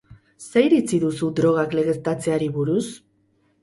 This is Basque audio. Zer iritzi duzu drogak legeztatzeari buruz?